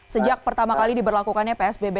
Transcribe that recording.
sejak pertama kali diberlakukannya psbb